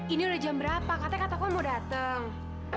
ini udah jam berapa katanya kak taufan mau datang